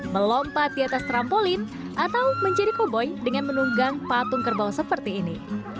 melompat di atas trampolin atau menjadi koboi dengan menunggang patung kerbau seperti ini